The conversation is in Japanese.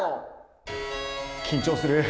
緊張する。